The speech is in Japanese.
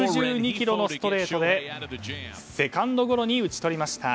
１６２キロのストレートでセカンドゴロに打ち取りました。